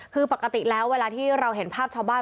คือปกติแล้วเวลาที่เราเห็นภาพชาวบ้าน